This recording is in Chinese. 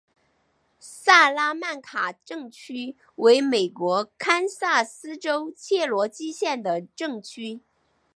萨拉曼卡镇区为美国堪萨斯州切罗基县的镇区。